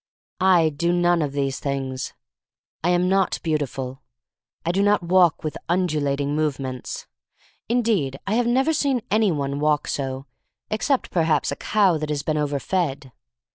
I do none of these things. I am not beauti ful. I do not walk with undulating movements — indeed, I have never seen any one walk so, except, perhaps, a cow that has been overfed.